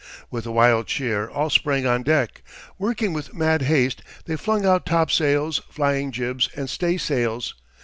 With a wild cheer all sprang on deck. Working with mad haste, they flung out topsails, flying jibs and staysails.